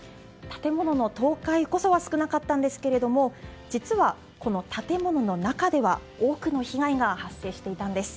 建物の倒壊こそは少なかったんですが実は、この建物の中では多くの被害が発生していたんです。